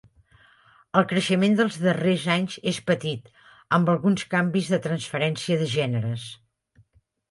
El creixement dels darrers anys és petit, amb alguns canvis de transferència de gèneres.